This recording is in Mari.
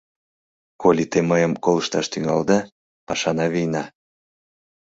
— Коли те мыйым колышташ тӱҥалыда, пашана вийна.